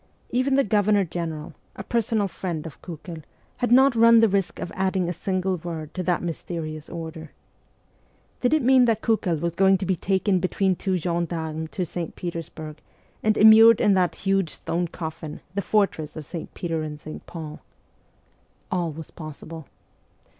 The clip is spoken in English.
Even the Governor General, a personal friend of Kiikel, had not run the risk of adding a single word to the mysterious order. Did it mean that Kukel was going to be taken between two gendarmes to St. Petersburg, and immured in that huge stone coffin, the fortress of St. Peter and St. Paul ? All was possible.